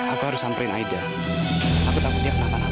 aku harus samperin aida aku takut dia kenapa kenapa